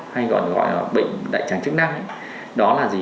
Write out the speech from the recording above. hay còn gọi là bệnh đại tràng chức năng đó là gì